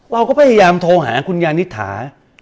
เราก็พยายามโทรหาคุณยานิษฐา